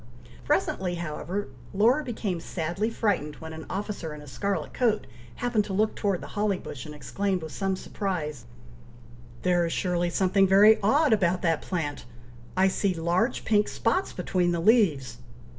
Presently, however, Laura became sadly frightened when an officer in a scarlet coat happened to look towards the holly bush, and exclaimed, with some surprise, "There is surely something very odd about that plant! I see large pink spots between the leaves!"